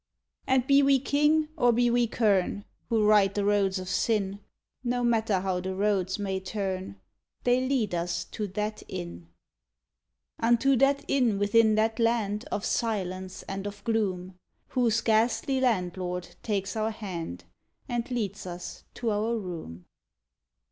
And be we king or be we kern Who ride the roads of Sin, No matter how the roads may turn They lead us to that Inn. Unto that Inn within that land Of silence and of gloom, Whose ghastly landlord takes our hand And leads us to our room.